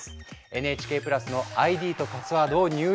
ＮＨＫプラスのＩＤとパスワードを入力